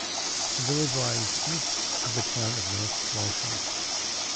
The village lies East of the town of North Walsham.